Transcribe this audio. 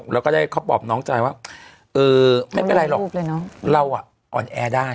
แล้วก็ได้เขาบอกน้องจัยว่าเออไม่เป็นไรหรอกเราออนแอร์ได้